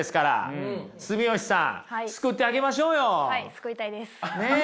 救いたいです。